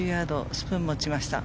スプーンを持ちました。